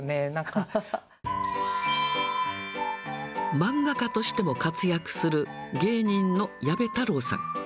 漫画家としても活躍する、芸人の矢部太郎さん。